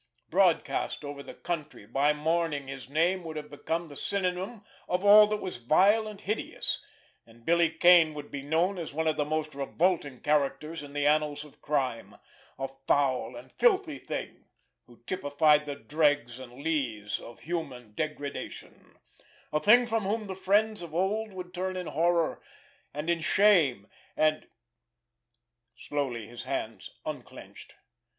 Broadcast over the country, by morning his name would have become the synonym of all that was vile and hideous, and Billy Kane would be known as one of the most revolting characters in the annals of crime—a foul and filthy thing who typified the dregs and lees of human degradation—a thing from whom the friends of old would turn in horror and in shame, and—— Slowly his hands unclenched.